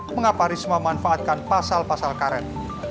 mengapa risma memanfaatkan pasal pasal karet